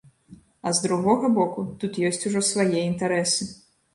А з другога боку, тут ёсць ужо свае інтарэсы.